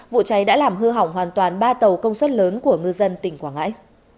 vụ cháy đã làm hư hỏng hoàn toàn ba tàu công suất lớn của ngư dân tỉnh quảng ngãi